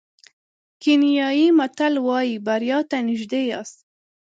کینیايي متل وایي بریا ته نژدې یاست.